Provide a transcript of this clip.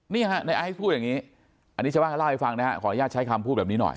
นี่ฮะในไอซ์พูดอย่างนี้อันนี้ชาวบ้านก็เล่าให้ฟังนะฮะขออนุญาตใช้คำพูดแบบนี้หน่อย